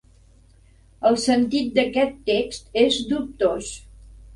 El sentit d'aquest text és dubtós.